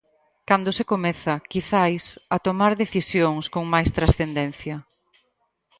Cando se comeza, quizais, a tomar decisións con máis transcendencia.